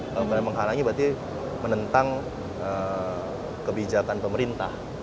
kalau memang halangi berarti menentang kebijakan pemerintah